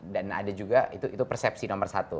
dan ada juga itu persepsi nomor satu